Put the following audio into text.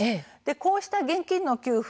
こうした現金の給付